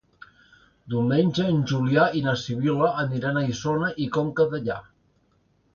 Diumenge en Julià i na Sibil·la aniran a Isona i Conca Dellà.